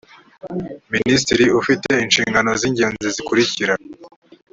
minisiteri ifite inshingano z ingenzi zikurikira